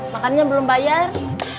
makannya belum bayar